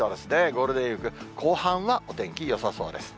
ゴールデンウィーク後半はお天気よさそうです。